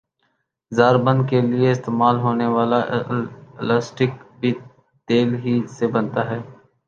زار بند کیلئے استعمال ہونے والا الاسٹک بھی تیل ہی سے بنتا ھے